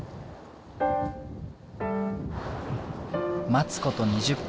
待つこと２０分。